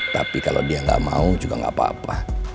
tapi kalau dia gak mau juga gak apa apa